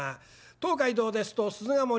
東海道ですと鈴ヶ森辺り。